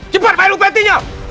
cepat bayar upetinya